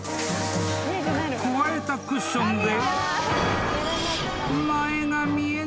［くわえたクッションで］